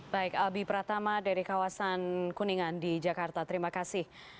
baik albi pratama dari kawasan kuningan di jakarta terima kasih